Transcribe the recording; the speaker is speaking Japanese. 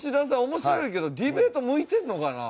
面白いけどディベート向いてるのかな？